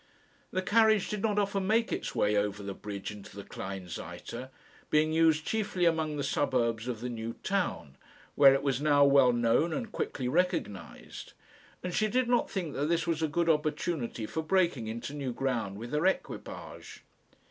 The carriage did not often make its way over the bridge into the Kleinseite, being used chiefly among the suburbs of the New Town, where it was now well known and quickly recognised; and she did not think that this was a good opportunity for breaking into new ground with her equipage.